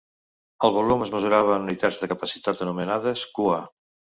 El volum es mesurava en unitats de capacitat anomenades "qa".